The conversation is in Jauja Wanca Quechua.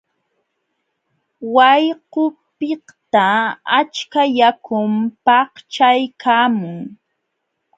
Wayqupiqta achka yakum paqchaykaamun.